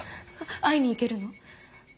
会いに行けるの？